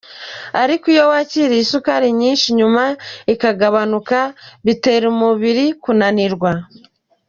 Ariko iyo wakiriye isukari nyinshi nyuma ikagabanuka bitera umubiri kunanirwa.